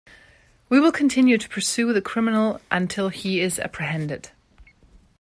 We will continue to pursue the criminal until he is apprehended.